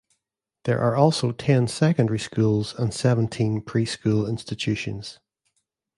There are also ten secondary schools and seventeen pre-school institutions.